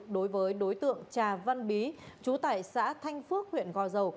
đối với đối tượng trà văn bí chú tại xã thanh phước huyện gò dầu